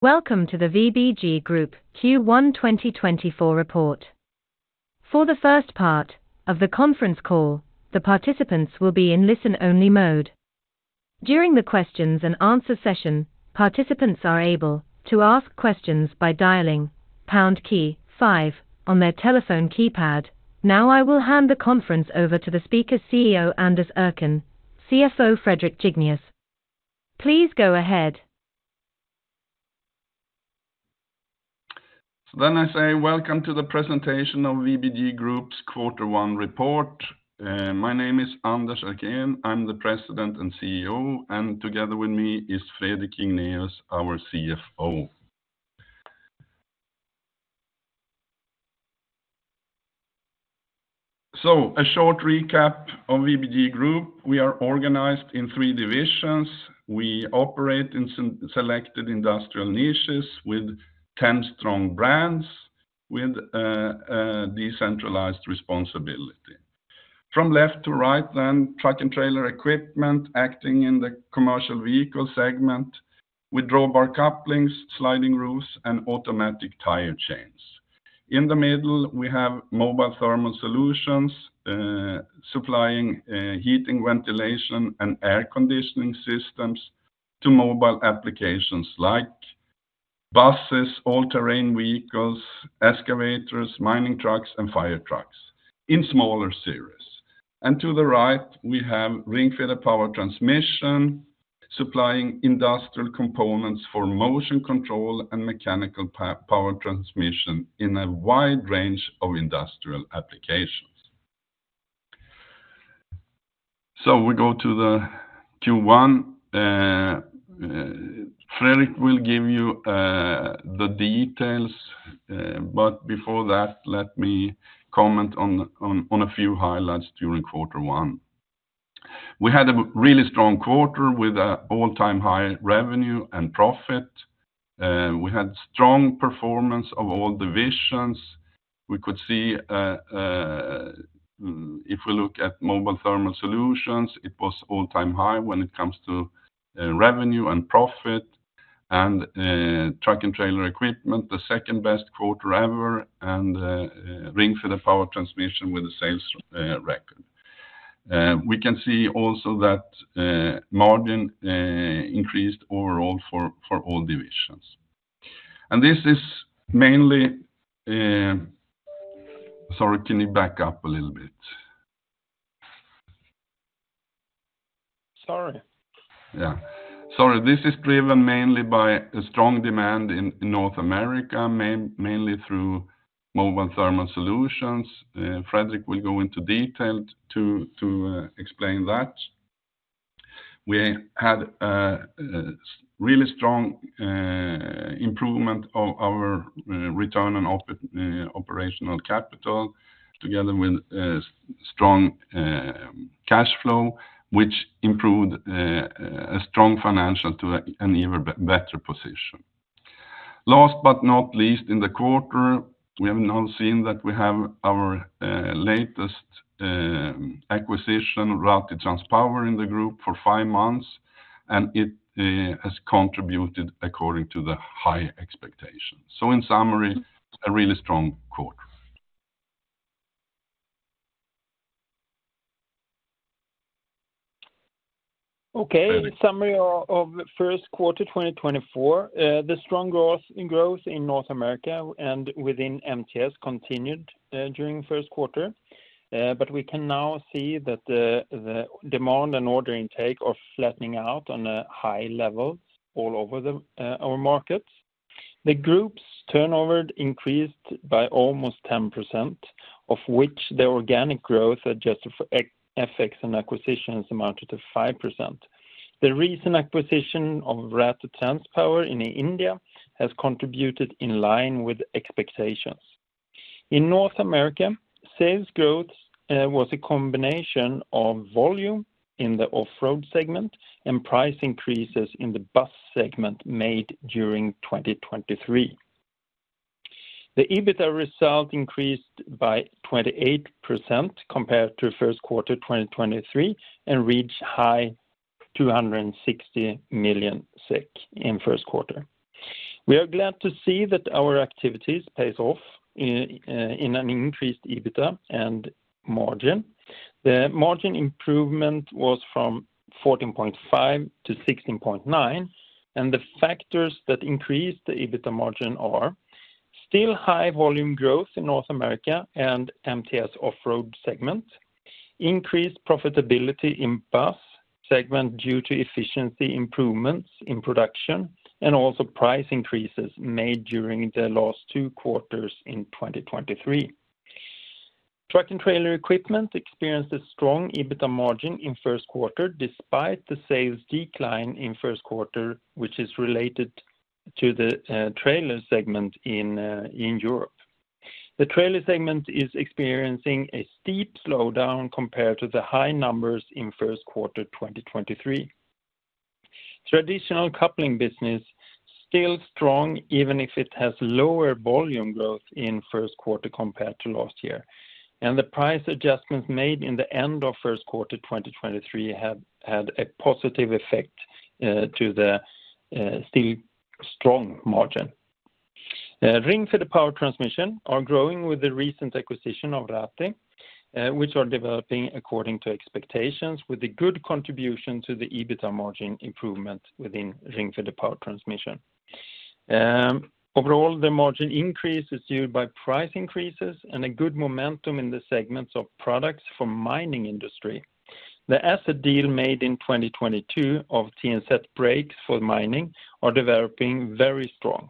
Welcome to the VBG Group Q1 2024 report. For the first part of the conference call, the participants will be in listen-only mode. During the questions-and-answers session, participants are able to ask questions by dialing pound key 5 on their telephone keypad. Now I will hand the conference over to the speaker's CEO Anders Erkén, CFO Fredrik Jignéus. Please go ahead. So then I say welcome to the presentation of VBG Group's Q1 report. My name is Anders Erkén. I'm the President and CEO, and together with me is Fredrik Jignéus, our CFO. So a short recap of VBG Group: we are organized in three divisions. We operate in selected industrial niches with 10 strong brands with decentralized responsibility. From left to right then, Truck and Trailer Equipment acting in the commercial vehicle segment with drawbar couplings, sliding roofs, and automatic tire chains. In the middle, we have Mobile Thermal Solutions supplying heating, ventilation, and air conditioning systems to mobile applications like buses, all-terrain vehicles, excavators, mining trucks, and fire trucks in smaller series. And to the right, we have Ringfeder Power Transmission supplying industrial components for motion control and mechanical power transmission in a wide range of industrial applications. So we go to the Q1. Fredrik will give you the details, but before that, let me comment on a few highlights during Q1. We had a really strong quarter with an all-time high revenue and profit. We had strong performance of all divisions. We could see if we look at Mobile Thermal Solutions, it was all-time high when it comes to revenue and profit. And Truck and Trailer Equipment, the second best quarter ever, and Ringfeder Power Transmission with a sales record. We can see also that margin increased overall for all divisions. And this is mainly sorry, can you back up a little bit? Sorry. Yeah. Sorry. This is driven mainly by strong demand in North America, mainly through Mobile Thermal Solutions. Fredrik will go into detail to explain that. We had a really strong improvement of our return on operational capital together with strong cash flow, which improved a strong financial to an even better position. Last but not least, in the quarter, we have now seen that we have our latest acquisition, Rathi Transpower, in the group for five months, and it has contributed according to the high expectations. So in summary, a really strong quarter. Okay. In summary of first quarter 2024, the strong growth in North America and within MTS continued during first quarter, but we can now see that the demand and order intake are flattening out on high levels all over our markets. The group's turnover increased by almost 10%, of which the organic growth adjusted for FX and acquisitions amounted to 5%. The recent acquisition of Rathi Transpower in India has contributed in line with expectations. In North America, sales growth was a combination of volume in the off-road segment and price increases in the bus segment made during 2023. The EBITDA result increased by 28% compared to first quarter 2023 and reached high 260 million in first quarter. We are glad to see that our activities pay off in an increased EBITDA and margin. The margin improvement was from 14.5%-16.9%, and the factors that increased the EBITDA margin are still high volume growth in North America and MTS off-road segment, increased profitability in bus segment due to efficiency improvements in production, and also price increases made during the last two quarters in 2023. Truck and Trailer Equipment experienced a strong EBITDA margin in first quarter despite the sales decline in first quarter, which is related to the trailer segment in Europe. The trailer segment is experiencing a steep slowdown compared to the high numbers in first quarter 2023. Traditional coupling business is still strong even if it has lower volume growth in first quarter compared to last year, and the price adjustments made in the end of first quarter 2023 had a positive effect on the still strong margin. Ringfeder Power Transmission is growing with the recent acquisition of Rathi, which are developing according to expectations with a good contribution to the EBITDA margin improvement within Ringfeder Power Transmission. Overall, the margin increase is due by price increases and a good momentum in the segments of products for the mining industry. The asset deal made in 2022 of TNZ Brakes for mining is developing very strong.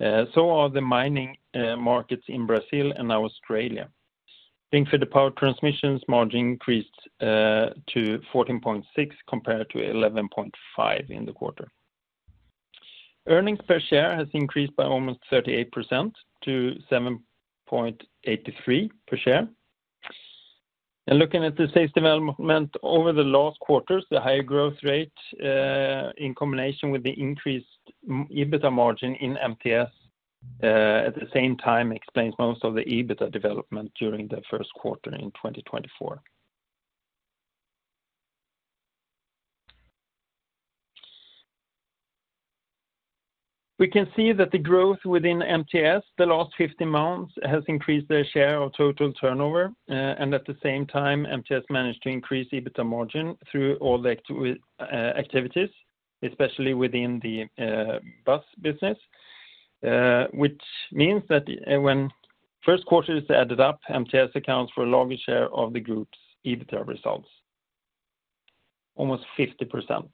So are the mining markets in Brazil and Australia. Ringfeder Power Transmission margin increased to 14.6 compared to 11.5 in the quarter. Earnings per share has increased by almost 38% to 7.83 per share. Looking at the sales development over the last quarters, the higher growth rate in combination with the increased EBITDA margin in MTS at the same time explains most of the EBITDA development during the first quarter in 2024. We can see that the growth within MTS the last 50 months has increased their share of total turnover, and at the same time, MTS managed to increase EBITDA margin through all the activities, especially within the bus business, which means that when first quarters added up, MTS accounts for a larger share of the group's EBITDA results, almost 50%.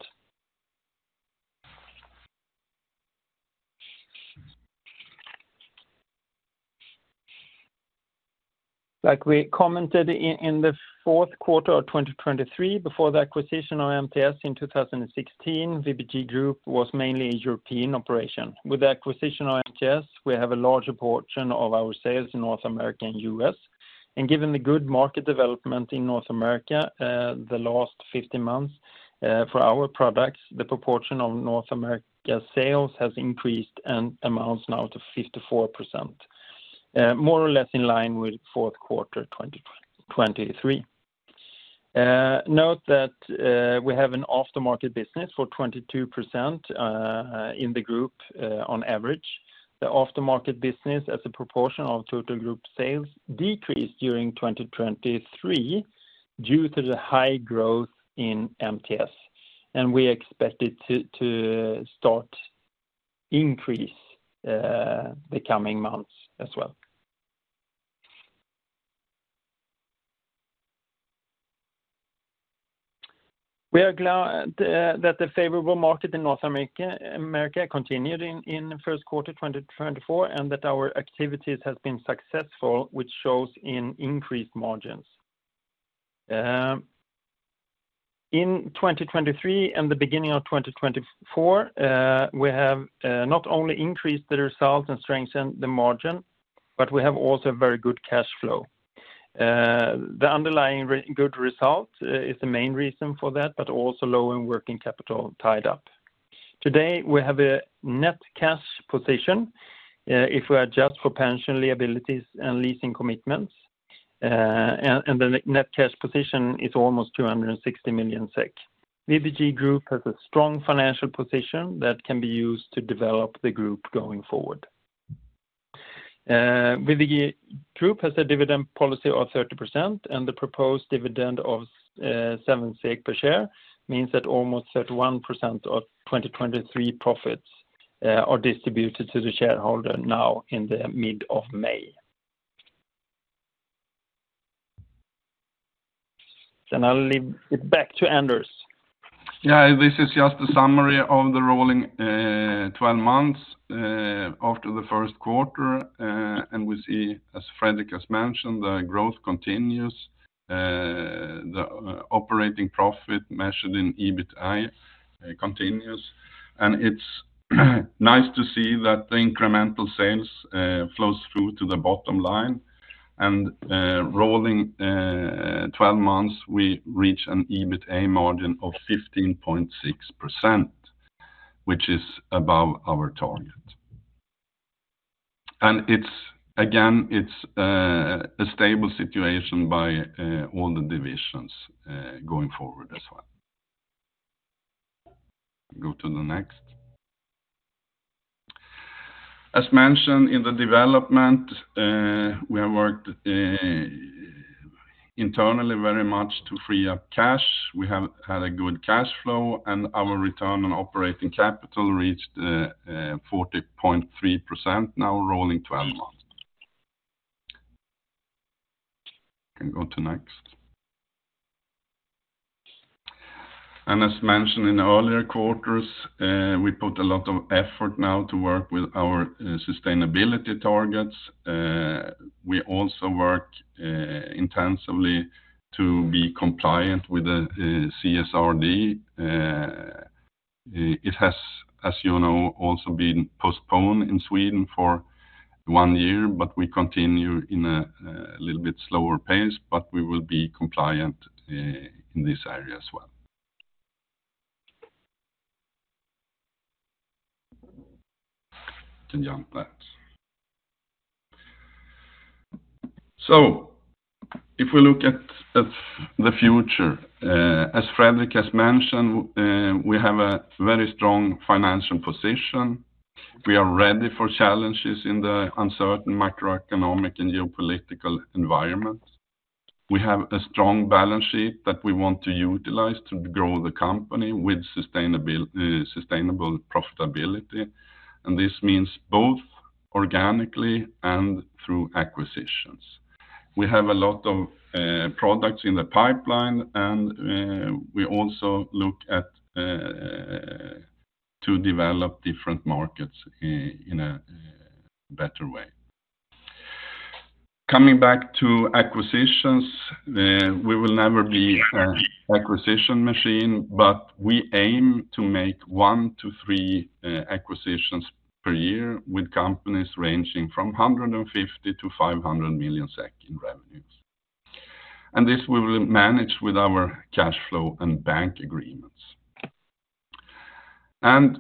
Like we commented in the fourth quarter of 2023, before the acquisition of MTS in 2016, VBG Group was mainly a European operation. With the acquisition of MTS, we have a larger portion of our sales in North America and U.S. And given the good market development in North America the last 50 months for our products, the proportion of North America sales has increased and amounts now to 54%, more or less in line with fourth quarter 2023. Note that we have an aftermarket business for 22% in the group on average. The aftermarket business as a proportion of total group sales decreased during 2023 due to the high growth in MTS, and we expect it to start to increase the coming months as well. We are glad that the favorable market in North America continued in first quarter 2024 and that our activities have been successful, which shows in increased margins. In 2023 and the beginning of 2024, we have not only increased the results and strengthened the margin, but we have also a very good cash flow. The underlying good result is the main reason for that, but also low in working capital tied up. Today, we have a net cash position if we adjust for pension liabilities and leasing commitments, and the net cash position is almost 260 million SEK. VBG Group has a strong financial position that can be used to develop the group going forward. VBG Group has a dividend policy of 30%, and the proposed dividend of 7 per share means that almost 31% of 2023 profits are distributed to the shareholder now in the mid of May. Then I'll leave it back to Anders. Yeah. This is just a summary of the rolling 12 months after the first quarter, and we see, as Fredrik has mentioned, the growth continues. The operating profit measured in EBITA continues, and it's nice to see that the incremental sales flows through to the bottom line. Rolling 12 months, we reached an EBITA margin of 15.6%, which is above our target. Again, it's a stable situation by all the divisions going forward as well. Go to the next. As mentioned in the development, we have worked internally very much to free up cash. We have had a good cash flow, and our return on operating capital reached 40.3% now rolling 12 months. Can go to next. As mentioned in earlier quarters, we put a lot of effort now to work with our sustainability targets. We also work intensively to be compliant with the CSRD. It has, as you know, also been postponed in Sweden for one year, but we continue in a little bit slower pace, but we will be compliant in this area as well. Can jump that. So if we look at the future, as Fredrik has mentioned, we have a very strong financial position. We are ready for challenges in the uncertain macroeconomic and geopolitical environment. We have a strong balance sheet that we want to utilize to grow the company with sustainable profitability, and this means both organically and through acquisitions. We have a lot of products in the pipeline, and we also look to develop different markets in a better way. Coming back to acquisitions, we will never be an acquisition machine, but we aim to make one to three acquisitions per year with companies ranging from 150 million-500 million SEK in revenues. And this we will manage with our cash flow and bank agreements. And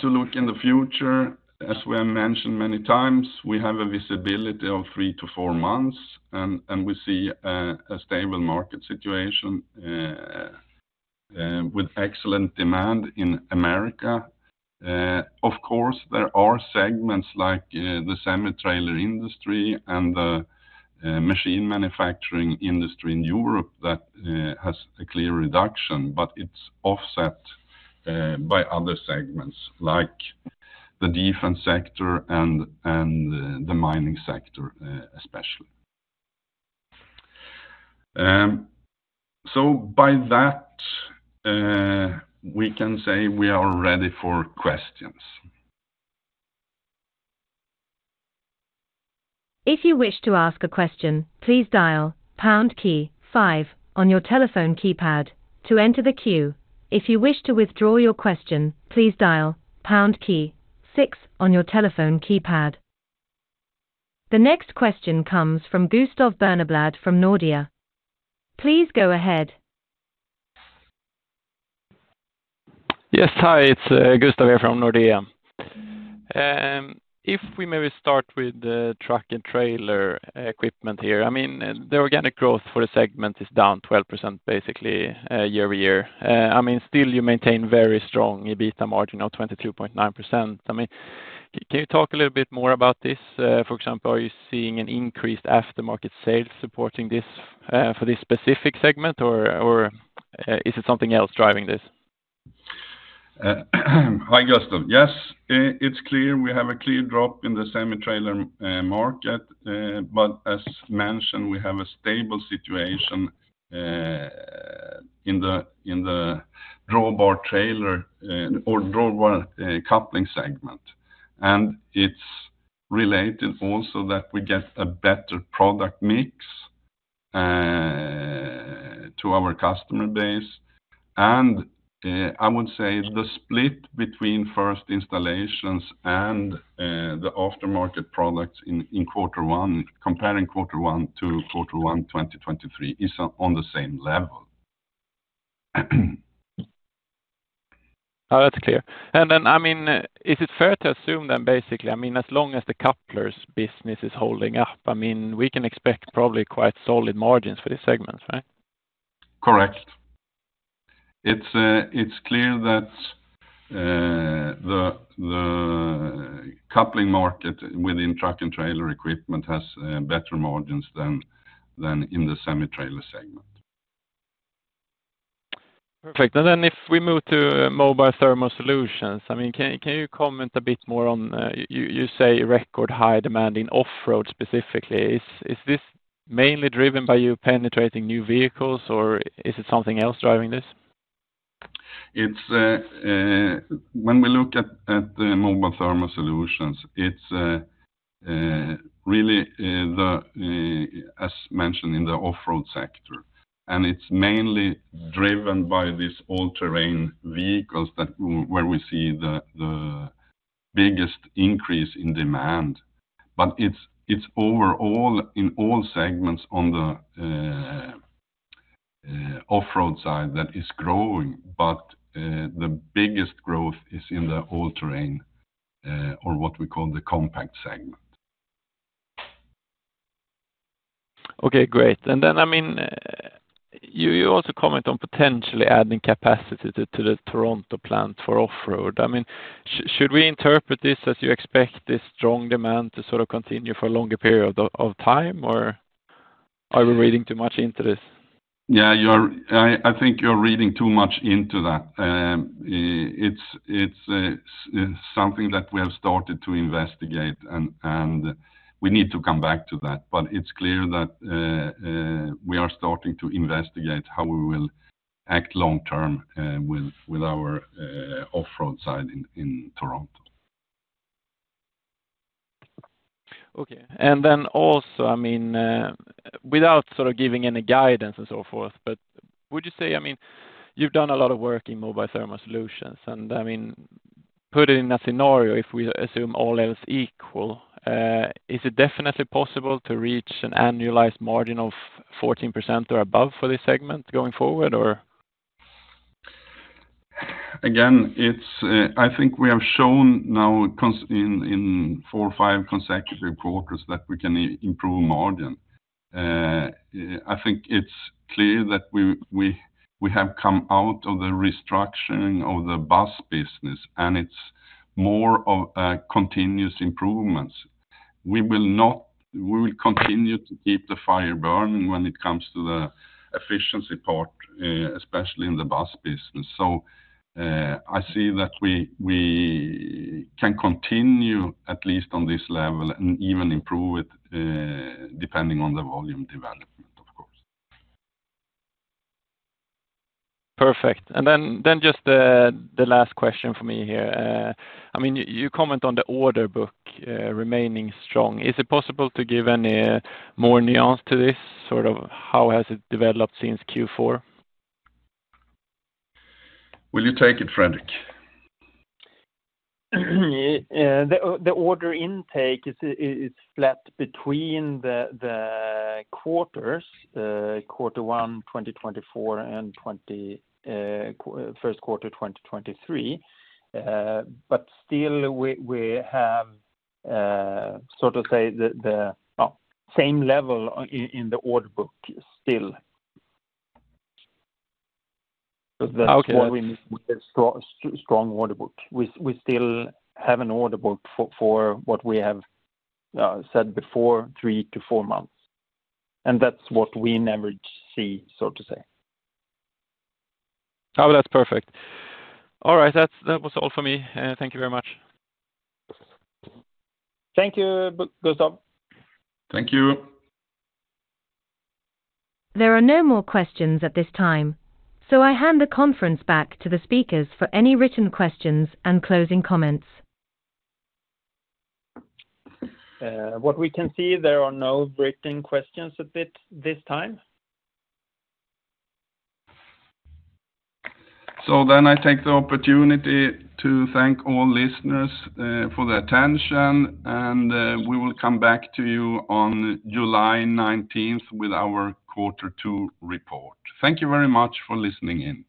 to look in the future, as we have mentioned many times, we have a visibility of 3-4 months, and we see a stable market situation with excellent demand in America. Of course, there are segments like the semi-trailer industry and the machine manufacturing industry in Europe that has a clear reduction, but it's offset by other segments like the defense sector and the mining sector especially. So by that, we can say we are ready for questions. If you wish to ask a question, please dial pound key 5 on your telephone keypad to enter the queue. If you wish to withdraw your question, please dial pound key 6 on your telephone keypad. The next question comes from Gustav Berneblad from Nordea. Please go ahead. Yes. Hi. It's Gustav here from Nordea. If we maybe start with the truck and trailer equipment here, I mean, the organic growth for the segment is down 12% basically year-over-year. I mean, still you maintain very strong EBITDA margin of 22.9%. I mean, can you talk a little bit more about this? For example, are you seeing an increased aftermarket sales supporting this for this specific segment, or is it something else driving this? Hi, Gustav. Yes, it's clear. We have a clear drop in the semi-trailer market, but as mentioned, we have a stable situation in the drawbar trailer or drawbar coupling segment. It's related also that we get a better product mix to our customer base. I would say the split between first installations and the aftermarket products in quarter one, comparing quarter one to quarter one 2023, is on the same level. Oh, that's clear. And then, I mean, is it fair to assume then basically, I mean, as long as the couplers business is holding up, I mean, we can expect probably quite solid margins for these segments, right? Correct. It's clear that the coupling market within truck and trailer equipment has better margins than in the semi-trailer segment. Perfect. And then if we move to Mobile Thermal Solutions, I mean, can you comment a bit more on, you say, record high demand in off-road specifically? Is this mainly driven by you penetrating new vehicles, or is it something else driving this? When we look at Mobile Thermal Solutions, it's really the, as mentioned, in the off-road sector. It's mainly driven by these all-terrain vehicles where we see the biggest increase in demand. It's overall in all segments on the off-road side that is growing, but the biggest growth is in the all-terrain or what we call the compact segment. Okay. Great. And then, I mean, you also comment on potentially adding capacity to the Toronto plant for off-road. I mean, should we interpret this as you expect this strong demand to sort of continue for a longer period of time, or are we reading too much into this? Yeah. I think you're reading too much into that. It's something that we have started to investigate, and we need to come back to that. But it's clear that we are starting to investigate how we will act long-term with our off-road side in Toronto. Okay. And then also, I mean, without sort of giving any guidance and so forth, but would you say, I mean, you've done a lot of work in mobile thermal solutions, and I mean, put it in a scenario, if we assume all else equal, is it definitely possible to reach an annualized margin of 14% or above for this segment going forward, or? Again, I think we have shown now in four or five consecutive quarters that we can improve margin. I think it's clear that we have come out of the restructuring of the bus business, and it's more of continuous improvements. We will continue to keep the fire burning when it comes to the efficiency part, especially in the bus business. So I see that we can continue at least on this level and even improve it depending on the volume development, of course. Perfect. And then just the last question for me here. I mean, you comment on the order book remaining strong. Is it possible to give any more nuance to this, sort of how has it developed since Q4? Will you take it, Fredrik? The order intake is flat between the quarters, quarter 1 2024 and first quarter 2023, but still we have sort of say the same level in the order book still. That's what we mean with a strong order book. We still have an order book for what we have said before, 3-4 months. That's what we never see, so to say. Oh, that's perfect. All right. That was all for me. Thank you very much. Thank you, Gustav. Thank you. There are no more questions at this time, so I hand the conference back to the speakers for any written questions and closing comments. What we can see, there are no written questions at this time. So then I take the opportunity to thank all listeners for the attention, and we will come back to you on July 19th with our quarter two report. Thank you very much for listening in.